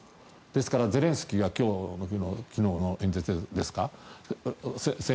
ですから、ゼレンスキーが昨日の演説ですか。